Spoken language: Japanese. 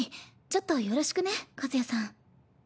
ちょっとよろしくね和也さん。